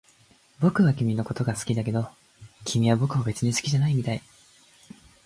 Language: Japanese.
僕は君のことが好きだけど、君は僕を別に好きじゃないみたい